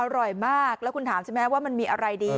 อร่อยมากแล้วคุณถามใช่ไหมว่ามันมีอะไรดี